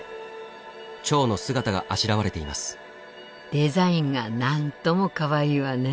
デザインが何ともかわいいわね。